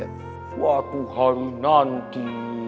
suatu hari nanti